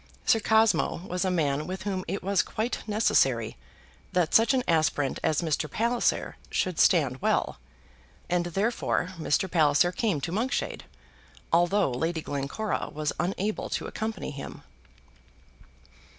Sir Cosmo was a man with whom it was quite necessary that such an aspirant as Mr. Palliser should stand well, and therefore Mr. Palliser came to Monkshade, although Lady Glencora was unable to accompany him.